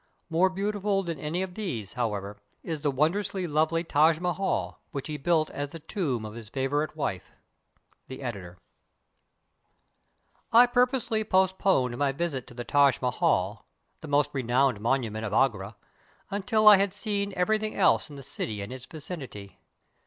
More beautiful than any of these, however, is the won drously lovely Taj Mahal, which he built as the tomb of his favorite ■wife. The Editor] I PURPOSELY postponed my \'isit to the Taj Mahal — the most renowned monument of Agra — until I had seen ever\'thlng else in the city and its N icinity.